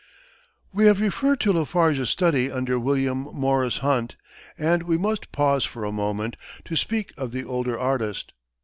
We have referred to LaFarge's study under William Morris Hunt, and we must pause for a moment to speak of the older artist.